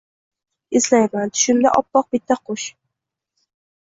Eslayman: tushimda oppoq bitta qush